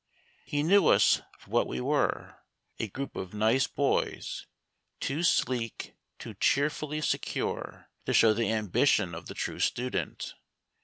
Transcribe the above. He knew us for what we were a group of nice boys, too sleek, too cheerfully secure, to show the ambition of the true student.